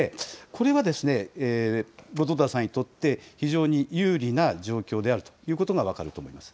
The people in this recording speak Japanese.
これは後藤田さんにとって、非常に有利な状況であるということが分かると思います。